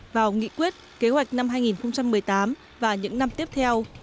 vào nghị quyết kế hoạch năm hai nghìn một mươi tám và những năm tiếp theo